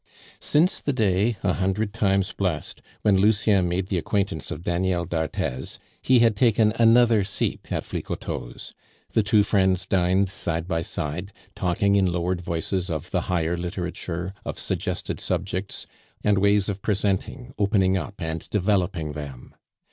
Since the day, a hundred times blessed, when Lucien made the acquaintance of Daniel d'Arthez, he had taken another seat at Flicoteaux's. The two friends dined side by side, talking in lowered voices of the higher literature, of suggested subjects, and ways of presenting, opening up, and developing them.